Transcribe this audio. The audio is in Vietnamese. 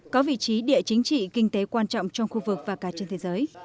có vị trí địa chính trị kinh tế quan trọng trong khu vực và cả trên thế giới